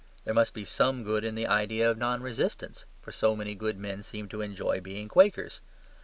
There must be SOME good in the idea of non resistance, for so many good men seem to enjoy being Quakers.